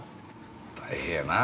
大変やな。